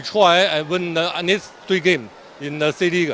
kita coba menang tiga game di c liga